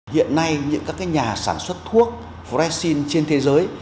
hiện nay những nhà sản xuất thuốc vodaxin trên thế giới